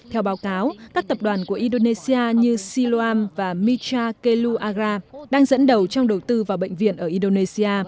theo báo cáo các tập đoàn của indonesia như siloam và michakelu agra đang dẫn đầu trong đầu tư vào bệnh viện ở indonesia